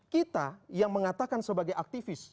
kita yang mengatakan sebagai aktivis